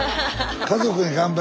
「家族に乾杯」